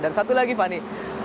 dan satu lagi fani